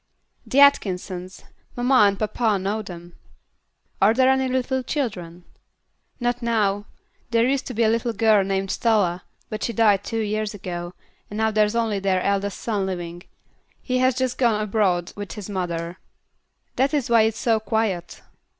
"The Atkinsons. Mamma and papa know them." "Are there any little children?" "Not now; there used to be a little girl named Stella, but she died two years ago, and now there is only their eldest son living; he has just gone abroad with his mother. That is why it's so quiet.